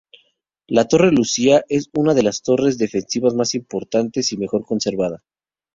La Torre Lucía es una de las torres defensivas más importantes y mejor conservada.